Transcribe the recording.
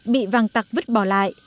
bị vàng tặc vứt bỏ lại